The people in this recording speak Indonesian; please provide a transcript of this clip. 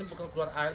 itu bukan keluar air